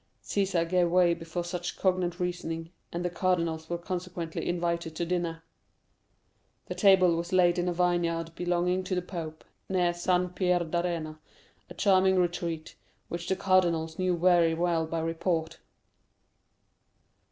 Cæsar gave way before such cogent reasoning, and the cardinals were consequently invited to dinner. "The table was laid in a vineyard belonging to the pope, near San Pierdarena, a charming retreat which the cardinals knew very well by report.